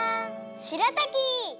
しらたき！